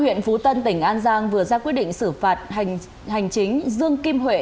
huyện phú tân tỉnh an giang vừa ra quyết định xử phạt hành chính dương kim huệ